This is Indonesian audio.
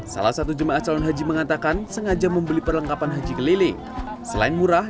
salah satu jemaah calon haji mengatakan sengaja membeli perlengkapan haji keliling selain murah